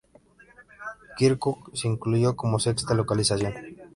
Kirkuk se incluyó como sexta localización.